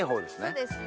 そうですね。